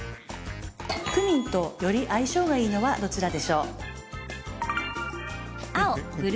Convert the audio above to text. クミンと、より相性がいいのはどちらでしょう？